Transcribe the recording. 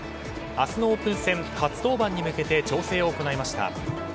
明日のオープン戦初登板に向けて調整を行いました。